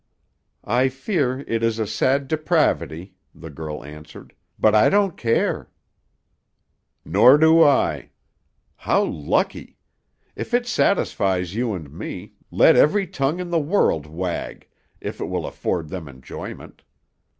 "I fear it is a sad depravity," the girl answered, "but I don't care." "Nor do I; how lucky! If it satisfies you and me, let every tongue in the world wag, if it will afford them enjoyment.